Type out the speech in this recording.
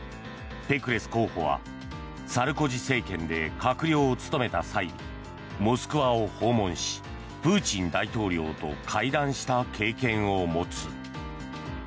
ペクレス候補はサルコジ政権で閣僚を務めた際にモスクワを訪問しプーチン大統領と会談した経験を持つ。